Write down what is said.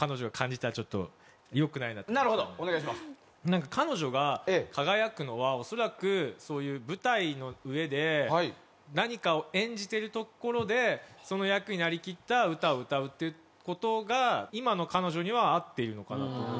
なんか彼女が輝くのは恐らくそういう舞台の上で何かを演じてるところでその役になりきった歌を歌うっていう事が今の彼女には合っているのかなと思ったので。